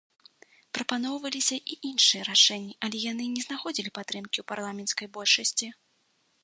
Прапаноўваліся і іншыя рашэнні, але яны не знаходзілі падтрымкі ў парламенцкай большасці.